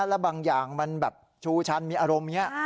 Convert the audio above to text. และบางอย่างมันแบบชูชันมีอารมณ์เนี้ย